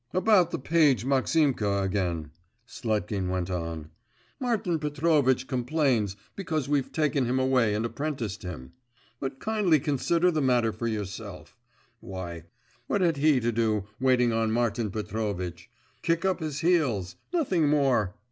'About the page Maximka again,' Sletkin went on, 'Martin Petrovitch complains because we've taken him away and apprenticed him. But kindly consider the matter for yourself. Why, what had he to do waiting on Martin Petrovitch? Kick up his heels; nothing more.